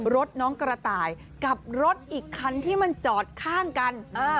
รถน้องกระต่ายกับรถอีกคันที่มันจอดข้างกัน